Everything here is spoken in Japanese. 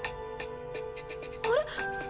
あれ？